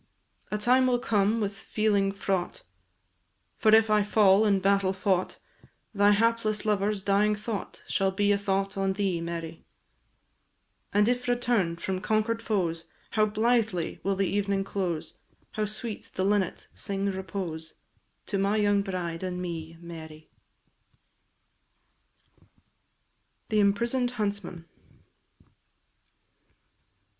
A time will come with feeling fraught, For if I fall in battle fought, Thy hapless lover's dying thought Shall be a thought on thee, Mary. And if return'd from conquer'd foes, How blithely will the evening close, How sweet the linnet sing repose To my young bride and me, Mary! Song of Norman in "The Lady of the Lake," canto third. THE IMPRISONED HUNTSMAN.